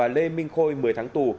lê minh khôi một mươi tháng tù